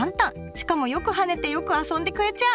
しかもよく跳ねてよく遊んでくれちゃう！